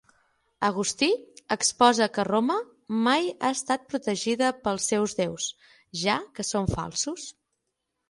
Agustí exposa que Roma mai ha estat protegida pels seus déus, ja que són falsos.